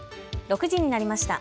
６時になりました。